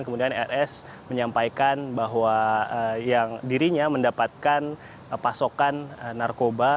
kemudian rs menyampaikan bahwa yang dirinya mendapatkan pasokan narkoba